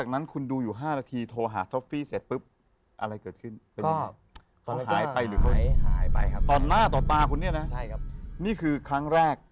นี่คือครั้งแรก